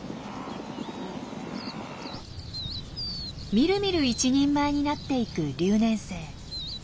みるみる一人前になっていく留年生。